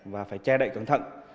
và phải che đậy cẩn thận